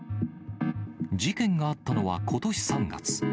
事件があったのはことし３月。